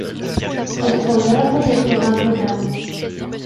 Elles sont l’œuvre de Thomas Boudin.